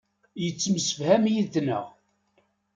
Yettemsefham yid-nteɣ.